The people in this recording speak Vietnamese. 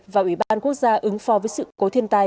và ủy ban quốc gia ứng phó với sự cố thiên tai